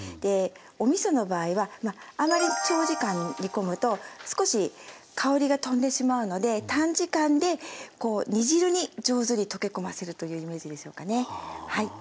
おみその場合はあまり長時間煮込むと少し香りがとんでしまうので短時間で煮汁に上手に溶け込ませるというイメージでしょうかね。